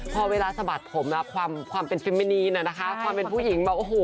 พอเวลาสะบัดผมความเป็นฟิมินีนนะคะความเป็นผู้หญิงแบบโอ้โห